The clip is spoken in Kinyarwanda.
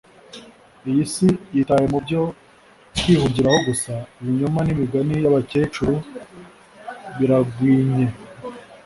Iyi si yitaye mu byo kwihugiraho gusa. Ibinyoma n'imigani y'abakecuru biragwinye.